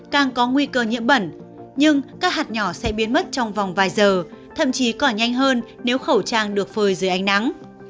càng có nguy cơ nhiễm bẩn nhưng các hạt nhỏ sẽ biến mất trong vòng vài giờ thậm chí cỏ nhanh hơn nếu khẩu trang được phơi dưới ánh nắng